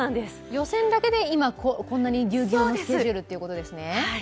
予選だけで今こんなにぎゅうぎゅうのスケジュールということですね。